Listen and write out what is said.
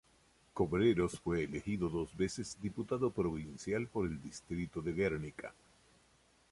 Cobreros fue elegido dos veces diputado provincial por el distrito de Guernica.